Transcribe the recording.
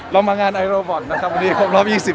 เรามางานไอโรบอทนะครับรอบ๒๐ปี